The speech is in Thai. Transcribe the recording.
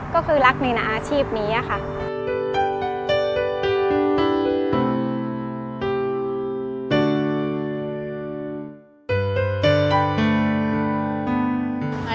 ก็คือรักในอาชีพนี้ค่ะ